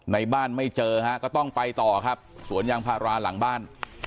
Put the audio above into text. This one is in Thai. ในบ้านไม่เจอฮะก็ต้องไปต่อครับสวนยางพาราหลังบ้าน